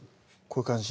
こういう感じ？